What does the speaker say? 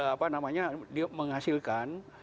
apa namanya dia menghasilkan